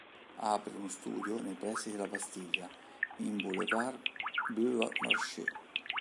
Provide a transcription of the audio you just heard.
Apre uno studio nei pressi della Bastiglia, in Boulevard Beau Marché.